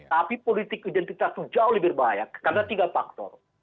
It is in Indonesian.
tapi politik identitas itu jauh lebih berbahaya karena tiga faktor